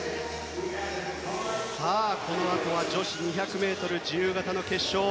このあとは女子２００ｍ自由形の決勝。